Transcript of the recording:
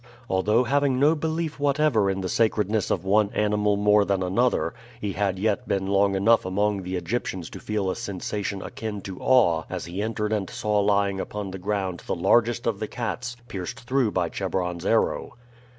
Although having no belief whatever in the sacredness of one animal more than another, he had yet been long enough among the Egyptians to feel a sensation akin to awe as he entered and saw lying upon the ground the largest of the cats pierced through by Chebron's arrow.